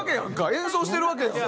演奏してるわけやんか。